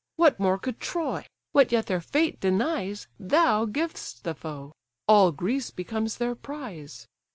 What more could Troy? What yet their fate denies Thou givest the foe: all Greece becomes their prize.